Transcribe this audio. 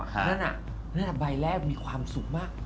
นั่นน่ะใบแรกมีความสุขมาก